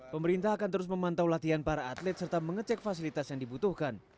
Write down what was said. pemerintah akan terus memantau latihan para atlet serta mengecek fasilitas yang dibutuhkan